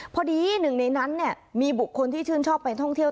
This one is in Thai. พอดีหนึ่งในนั้นมีบุคคลที่ชื่นชอบไปท่องเที่ยว